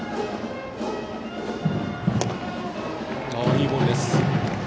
いいボールです。